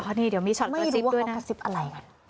ไม่รู้ว่าเขากระซิบอะไร